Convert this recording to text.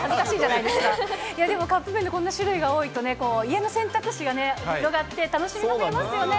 いや、でもカップ麺でこんな種類が多いとね、家の選択肢が広がって楽しみが増えますよね。